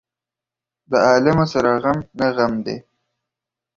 د عالمه سره غم نه غم دى.